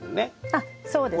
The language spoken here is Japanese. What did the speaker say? あっそうですね。